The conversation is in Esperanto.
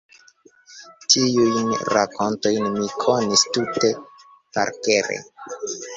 Tiujn rakontojn mi konis tute parkere.